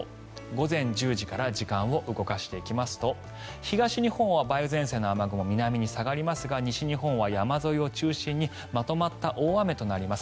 午前１０時から時間を動かしていくと東日本は梅雨前線の雨雲南に下がりますが西日本は山沿いを中心にまとまった大雨となります。